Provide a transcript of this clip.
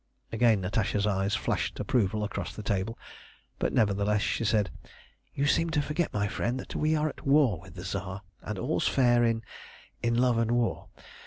Again Natasha's eyes flashed approval across the table, but nevertheless she said "You seem to forget, my friend, that we are at war with the Tsar, and all's fair in in love and war.